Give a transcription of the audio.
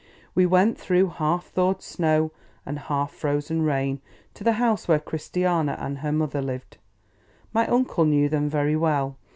We went, through half thawed snow and half frozen rain, to the house where Christiana and her mother lived. My uncle knew them very well.